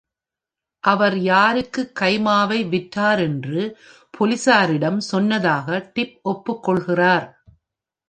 அவர் யாருக்கு கைமாவை விற்றார் என்று போலீசாரிடம் சொன்னதாக டிப் ஒப்புக்கொள்கிறார்.